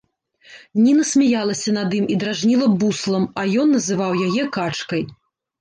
Ніна смяялася над ім і дражніла буслам, а ён называў яе качкай.